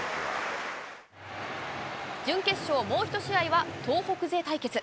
準決勝もう１試合は東北勢対決。